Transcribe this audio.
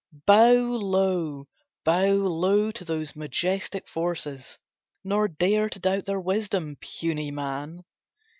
Bow low, bow low to those majestic forces, Nor dare to doubt their wisdom, puny man.